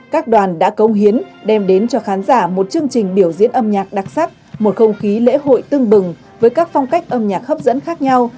các đoàn đã công hiến đem đến cho khán giả một chương trình biểu diễn âm nhạc đặc sắc một không khí lễ hội tưng bừng với các phong cách âm nhạc hấp dẫn khác nhau